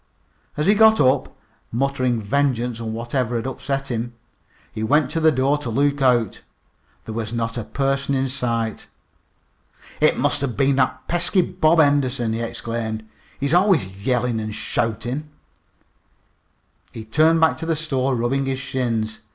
As he got up, muttering vengeance on whatever had upset him, he went to the door to look out. There was not a person in sight. "It must have been that pesky Bob Henderson!" he exclaimed. "He's always yellin' an' shoutin'." He turned back into the store, rubbing his shins.